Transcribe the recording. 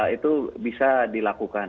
itu bisa dilakukan